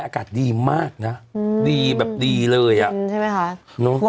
อากาศดีมากนะดีแบบดีเลยอ่ะใช่ไหมคะ